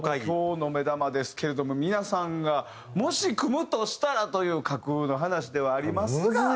今日の目玉ですけれども皆さんがもし組むとしたらという架空の話ではありますが。